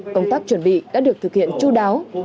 công tác chuẩn bị đã được thực hiện chú đáo